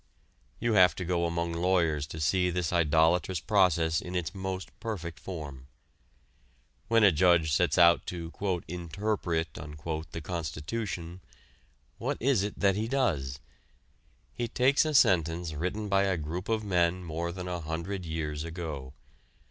You have to go among lawyers to see this idolatrous process in its most perfect form. When a judge sets out to "interpret" the Constitution, what is it that he does? He takes a sentence written by a group of men more than a hundred years ago.